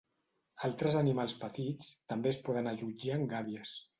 Altres animals petits també es poden allotjar en gàbies.